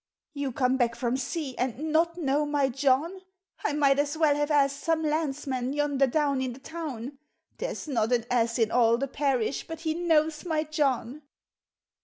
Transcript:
" You come back from sea, And not know my John? I might as well have asked some landsman, Yonder down in the town. There 's not an ass in all the parish But he knows my John.